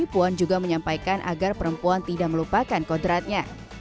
puan juga menyampaikan agar perempuan tidak melupakan kodratnya